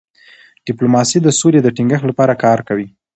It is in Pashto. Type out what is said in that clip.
ډيپلوماسي د سولې د ټینګښت لپاره کار کوي.